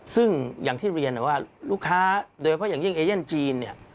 ซึ่งอย่างที่เรียนว่าลูกค้าโดยเฉพาะอย่างยิ่งเอเย่นจีนเนี่ย